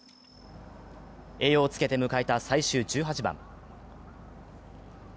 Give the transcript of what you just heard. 栄養をつけて迎えた最終１８番。